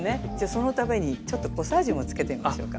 そのためにコサージュもつけてみましょうか。